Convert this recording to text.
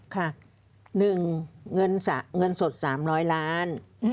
ค่ะหนึ่งเงินสด๓๐๐ล้าน